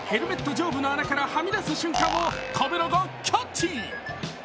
上部の穴からはみ出す瞬間をカメラがキャッチ。